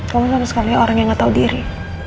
kamu sama sekali orang yang gak tahu diri